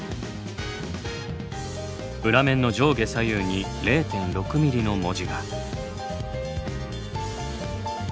裏面の上下左右に０．６ｍｍの文字が。